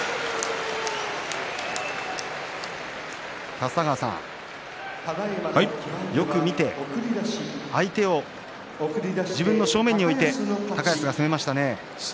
立田川さん、よく見て相手を自分の正面に置いて高安が攻めましたね。